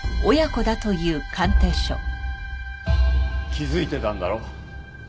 気づいてたんだろ？